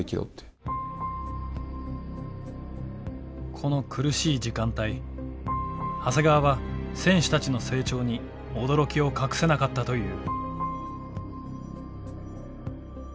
この苦しい時間帯長谷川は選手たちの成長に驚きを隠せなかったという。